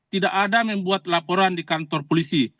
tidak ada membuat laporan di kantor polisi